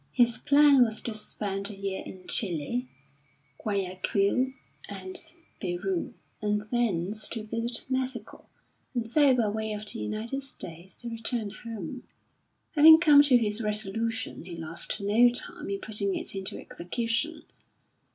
His plan was to spend a year in Chili, Guayaquil and Peru, and thence to visit Mexico, and so, by way of the United States, to return home. Having come to this resolution he lost no time in putting it into execution.